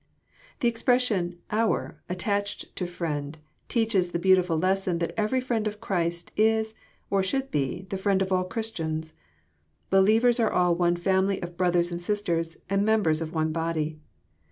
The expression " our," attached to Mend, teaches the beauti fbl lesson that every friend of Christ is or should be the Ariend of all Christians. Believers are all one family of brothers and sisters, and members of one body.